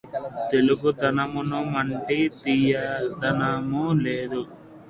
తెలుగుదనమువంటి తీయందనము లేదు